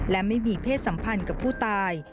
และไม่มีเพศสัมพันธ์กับผู้ตาย